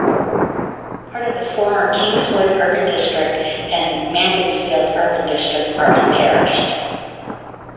Part of the former Kingswood Urban District and Mangotsfield Urban District are unparished.